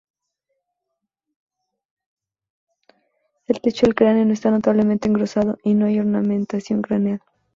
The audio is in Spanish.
El techo del cráneo no está notablemente engrosado y no hay ornamentación craneal.